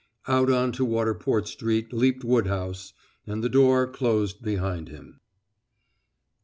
Out on to Waterport Street leaped Woodhouse, and the door closed behind him.